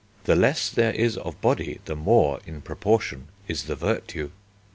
the less there is of body the more in proportion is the virtue."